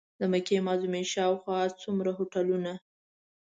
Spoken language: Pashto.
د مکې معظمې شاوخوا څومره هوټلونه.